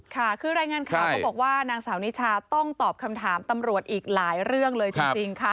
ค่ะคือรายงานข่าวก็บอกว่านางสาวนิชาต้องตอบคำถามตำรวจอีกหลายเรื่องเลยจริงค่ะ